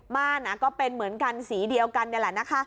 ก็เป็นเหมือนกันสีเดียวกันนี่แหละนะคะ